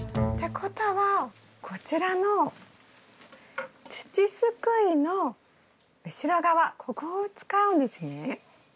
ってことはこちらの土すくいの後ろ側ここを使うんですね？